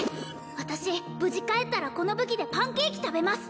私無事帰ったらこの武器でパンケーキ食べます